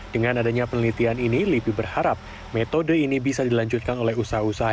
dengan adanya penelitian ini lipi berharap metode ini bisa dilanjutkan oleh usaha usaha